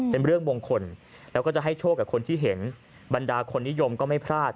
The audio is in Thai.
เป็นเรื่องมงคลแล้วก็จะให้โชคกับคนที่เห็นบรรดาคนนิยมก็ไม่พลาด